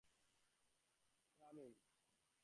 ভেতরে ফিরে চলো।